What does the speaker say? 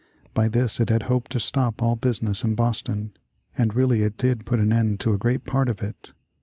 By this it was hoped to stop all business in Boston, and really it did put an end to a great part of it.